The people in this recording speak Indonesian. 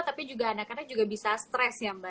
tapi anak anak juga bisa stress ya mbak